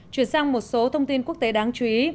chuyển sang một số thông tin quốc tế đáng chú ý